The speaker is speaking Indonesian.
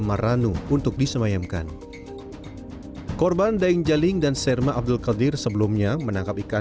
maranu untuk disemayamkan korban daeng jaling dan serma abdul qadir sebelumnya menangkap ikan